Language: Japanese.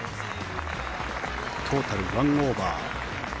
トータル１オーバー。